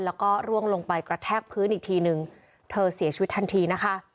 แล้วก็ร่วงลงไปกระแทกพื้นอีกทีนึงเธอเสียชีวิตทันทีนะคะ